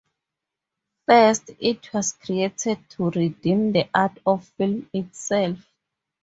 First, it was created to redeem the art of film itself.